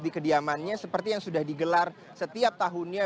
di kediamannya seperti yang sudah digelar setiap tahunnya